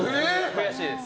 悔しいです。